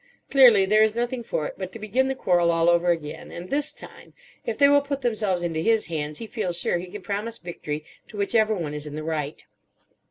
Clearly there is nothing for it but to begin the quarrel all over again; and this time, if they will put themselves into his hands, he feels sure he can promise victory to whichever one is in the right.